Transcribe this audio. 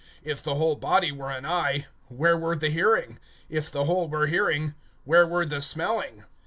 (17)If the whole body were an eye, where were the hearing? If the whole were hearing, where were the smelling?